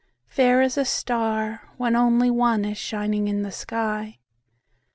–Fair as a star, when only one Is shining in the sky.